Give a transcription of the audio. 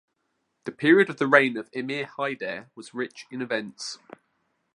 The period of the reign of Emir Haydar was rich in events.